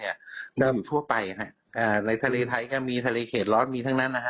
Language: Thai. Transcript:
อยู่ทั่วไปฮะในทะเลไทยก็มีทะเลเข็ดร้อนมีทั้งนั้น